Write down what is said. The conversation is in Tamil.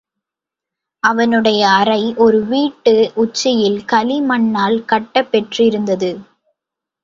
அவனுடைய அறை, ஒரு வீட்டு உச்சியில், களிமண்ணால் கட்டப் பெற்றிருந்தது.